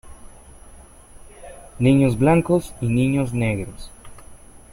Niños blancos y niños negros.